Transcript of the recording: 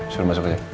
suruh masuk aja